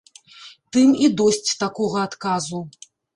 Тым і досць такога адказу.